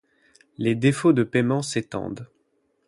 Les défauts de paiement s’étendent.